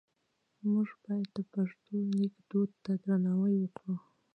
موږ باید د پښتو لیک دود ته درناوی وکړو.